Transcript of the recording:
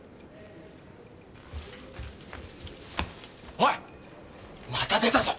おいまた出たぞ！